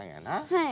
はい。